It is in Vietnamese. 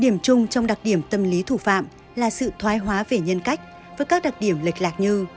điểm chung trong đặc điểm tâm lý thủ phạm là sự thoái hóa về nhân cách với các đặc điểm lịch lạc như